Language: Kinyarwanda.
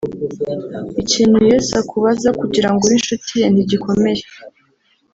Ikintu Yesu akubaza kugira ngo ube inshuti ye ntigikomeye